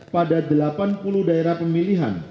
pada delapan puluh daerah perwakilan rakyat